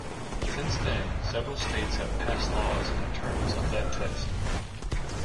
Since then several States have passed laws in terms of that test.